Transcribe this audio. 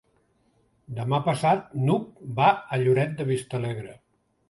Demà passat n'Hug va a Lloret de Vistalegre.